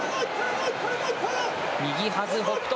右はず、北勝